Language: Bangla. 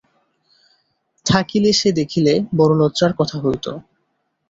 থাকিলে সে দেখিলে বড় লজ্জার কথা হইত।